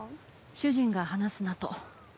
主人が話すなと。